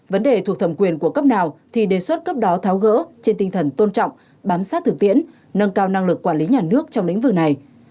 vấn đề thuộc thẩm quyền của cấp nào thì đề xuất cấp đó tháo gỡ trên tinh thần tôn trọng bám sát thực tiễn nâng cao năng lực quản lý nhà nước trong lĩnh vực này